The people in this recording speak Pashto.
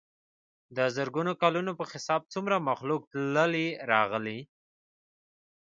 دَ زرګونو کلونو پۀ حساب څومره مخلوق تلي راغلي